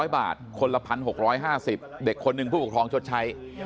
๐บาทคนละ๑๖๕๐เด็กคนหนึ่งผู้ปกครองชดใช้